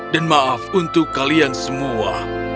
dan maaf untuk kalian semua